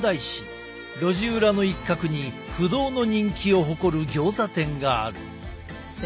路地裏の一角に不動の人気を誇るギョーザ店がある。